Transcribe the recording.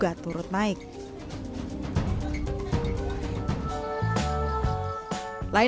bahwa perboa pemberin brigadir